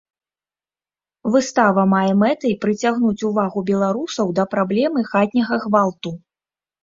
Выстава мае мэтай прыцягнуць увагу беларусаў да праблемы хатняга гвалту.